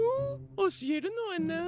おしえるのはな。